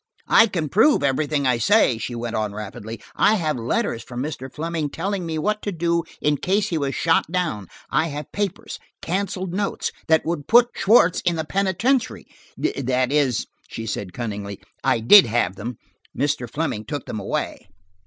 "I can prove everything I say," she went on rapidly. "I have letters from Mr. Fleming telling me what to do in case he was shot down; I have papers–canceled notes–that would put Schwartz in the penitentiary–that is," she said cunningly, "I did have them. Mr. Fleming took them away."